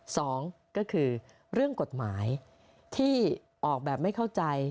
สองก็คือเรื่องกฎหมายที่ออกแบบไม่เข้าใจ